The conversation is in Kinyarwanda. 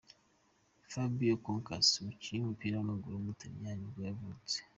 Fabio Concas, umukinnyi w’umupira w’amaguru w’umutaliyani nibwo yavutse.